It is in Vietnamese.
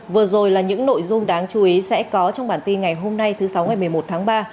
vừa rồi là những nội dung đáng chú ý sẽ có trong bản tin ngày hôm nay thứ sáu ngày một mươi một tháng ba